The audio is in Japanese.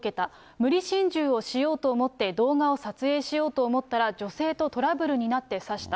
無理心中をしようと思って、動画を撮影しようと思ったら、女性とトラブルになって刺した。